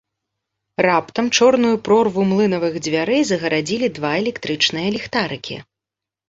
Раптам чорную прорву млынавых дзвярэй загарадзілі два электрычныя ліхтарыкі.